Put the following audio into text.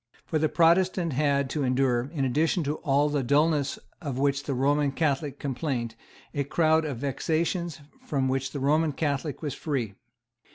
For the Protestant had to endure, in addition to all the dulness of which the Roman Catholic complained, a crowd of vexations from which the Roman Catholic was free.